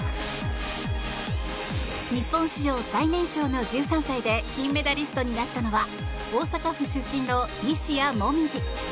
日本史上最年少の１３歳で金メダリストになったのは大阪府出身の西矢椛。